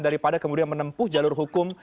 daripada kemudian menempuh jalur hukum